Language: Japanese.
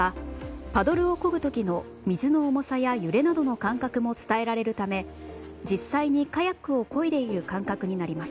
パドルをこぐときの水の重さや揺れの感覚なども伝えられるため実際にカヤックをこいでいる感覚になります。